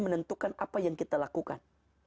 menentukan apa yang kita lakukan